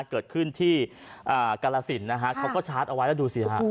เกิดขึ้นที่กาลสินนะฮะเขาก็ชาร์จเอาไว้แล้วดูสิฮะ